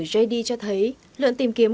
jd cho thấy lượng tìm kiếm